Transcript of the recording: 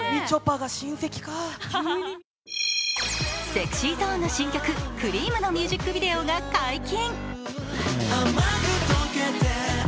ＳｅｘｙＺｏｎｅの新曲「Ｃｒｅａｍ」のミュージックビデオが解禁。